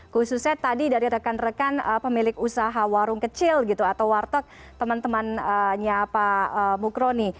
khususnya tadi dari rekan rekan pemilik usaha warung kecil gitu atau warteg teman temannya pak mukroni